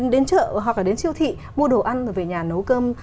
đến chợ hoặc là đến siêu thị mua đồ ăn rồi về nhà nấu cơm